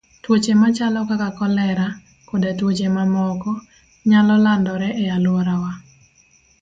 Tuoche machalo kaka kolera koda tuoche mamoko, nyalo landore e alworawa.